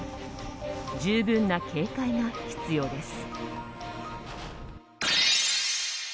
十分な警戒が必要です。